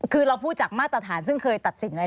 คือเราพูดจากมาตรฐานซึ่งเคยตัดสินไว้